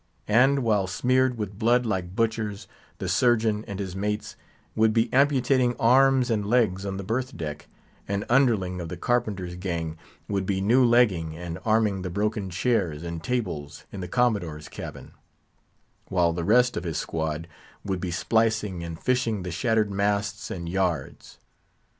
And, while smeared with blood like butchers, the surgeon and his mates would be amputating arms and legs on the berth deck, an underling of the carpenter's gang would be new legging and arming the broken chairs and tables in the Commodore's cabin; while the rest of his squad would be splicing and fishing the shattered masts and yards.